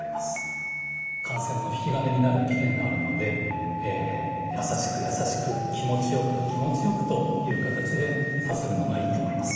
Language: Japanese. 感染の引き金になる危険があるのでやさしくやさしく気持ちよく気持ちよくという形でさするのがいいと思います。